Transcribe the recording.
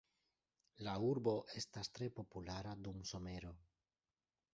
La urbo estas tre populara dum somero.